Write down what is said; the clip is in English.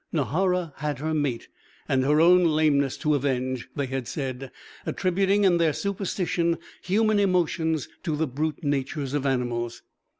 Nahara had her mate and her own lameness to avenge, they had said, attributing in their superstition human emotions to the brute natures of animals.